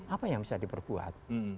apa yang bisa diperbuat